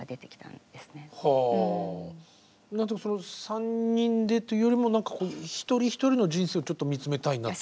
３人でというよりも何かこう一人一人の人生をちょっと見つめたいなと。